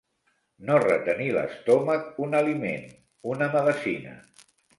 No retenir l'estómac un aliment, una medecina.